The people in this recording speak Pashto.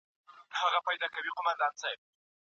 په جرګه کي د پریکړو اساس پر عدالت او انصاف ولاړ وي.